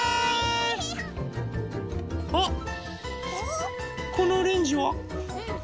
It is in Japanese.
あっこのオレンジは？